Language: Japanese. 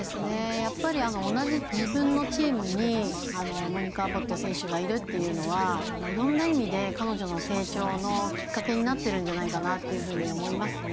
やっぱり同じ自分のチームにモニカ・アボット選手がいるというのは色んな意味で彼女の成長のきっかけになっているんじゃないかなと思いますね。